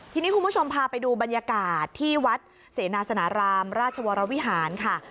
ทีนี้คุณผู้ชมพาไปดูบรรยากาศที่วัดเสนาสนารามราชวรวิหารค่ะ